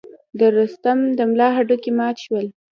د رستم د ملا هډوکي مات شول.